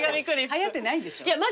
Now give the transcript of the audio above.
はやってないんでしょ？